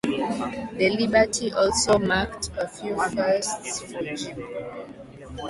The Liberty also marked a few firsts for Jeep.